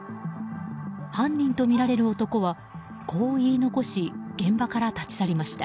犯人とみられる男はこう言い残し現場から立ち去りました。